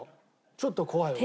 ちょっと怖い俺も。